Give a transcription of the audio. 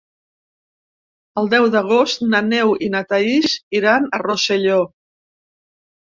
El deu d'agost na Neus i na Thaís iran a Rosselló.